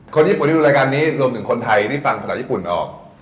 ญี่ปุ่นที่ดูรายการนี้รวมถึงคนไทยที่ฟังภาษาญี่ปุ่นออก